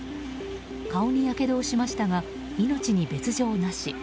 顔にやけどをしましたが命に別条なし。